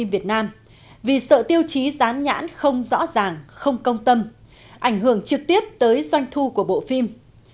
vì sợ tiêu chí dán nhãn không rõ ràng không công tâm ảnh hưởng trực tiếp tới doanh thu của bộ phim